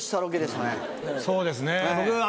そうですね。